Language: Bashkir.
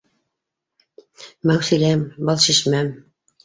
- Мәүсиләм, Балшишмәм